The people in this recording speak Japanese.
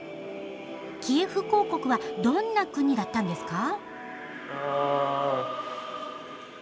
キエフ公国はどんな国だったんですか？